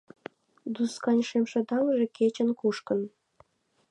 Дуськан шемшыдаҥже кечын кушкын.